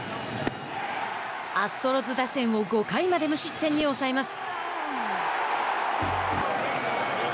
アストロズ打線を５回まで無失点に抑えます。